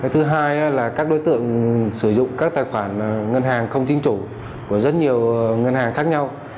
thứ hai là các đối tượng sử dụng các tài khoản ngân hàng không chính chủ của rất nhiều ngân hàng khác nhau